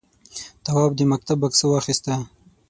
تواب د مکتب بکسه واخیسته.